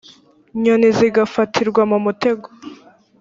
nyoni zigafatirwa mu mutego